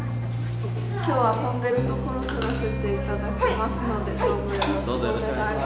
今日は遊んでるところ撮らせて頂きますのでどうぞよろしくお願いします。